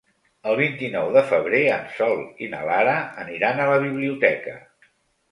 El vint-i-nou de febrer en Sol i na Lara aniran a la biblioteca.